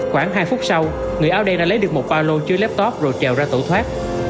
khoảng hai phút sau người áo đen đã lấy được một ba lô chứa laptop rồi trèo ra tổ thoát